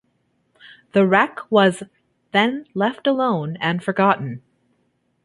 The wreck was then left alone and forgotten.